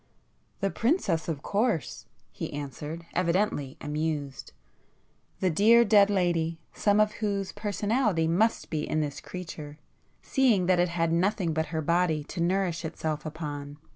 "The princess, of course!" he answered, evidently amused; "The dear dead lady,—some of whose personality must be in this creature, seeing that it had nothing but her body to nourish itself upon."